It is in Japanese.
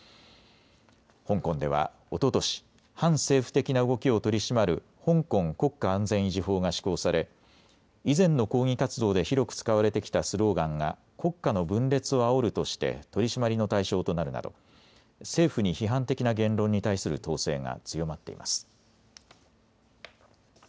香港ではおととし、反政府的な動きを取り締まる香港国家安全維持法が施行され以前の抗議活動で広く使われてきたスローガンが国家の分裂をあおるとして取締りの対象となるなど政府に批判的な言論に対する統制が強まっています。